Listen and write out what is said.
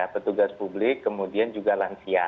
petugas publik kemudian juga lansia